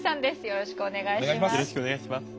よろしくお願いします。